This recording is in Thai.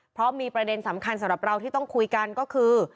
เพราะมีประเด็นสำคัญสำหรับเราที่ต้องคุยกันก็คือ